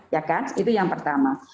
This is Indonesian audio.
ya kan itu yang pertama